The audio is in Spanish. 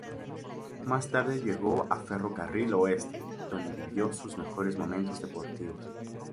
Más tarde llegó a Ferro Carril Oeste, donde vivió sus mejores momentos deportivos.